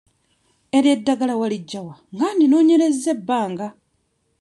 Eryo eddagala waliggya wa nga ndinoonyerezza ebbanga?